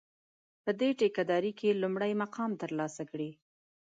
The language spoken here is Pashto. په دې ټېکه داري کې لومړی مقام ترلاسه کړي.